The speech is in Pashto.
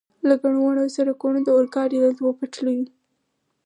له ګڼو وړو سړکونو، د اورګاډي له دوو پټلیو.